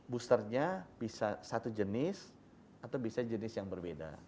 boosternya bisa satu jenis atau bisa jenis yang berbeda